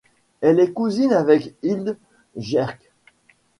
Elle est cousine avec Hilde Gerg.